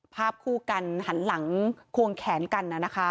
ภาพคู่กันหันหลังควงแขนกัน